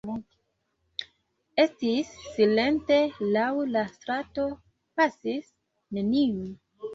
Estis silente, laŭ la strato pasis neniu.